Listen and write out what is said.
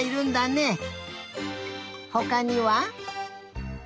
ほかには？